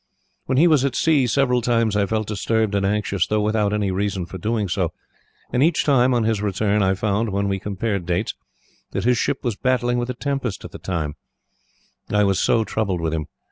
"When he was at sea, several times I felt disturbed and anxious, though without any reason for doing so; and each time, on his return, I found, when we compared dates, that his ship was battling with a tempest at the time I was so troubled about him.